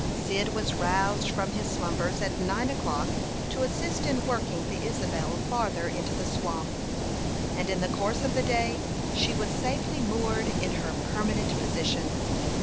Cyd was roused from his slumbers at nine o'clock to assist in working the Isabel farther into the swamp, and in the course of the day she was safely moored in her permanent position.